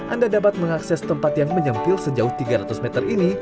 anda dapat mengakses tempat yang menyempil sejauh tiga ratus meter ini